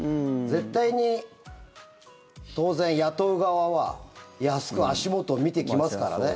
絶対に当然、雇う側は安く足元を見てきますからね。